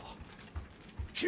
君。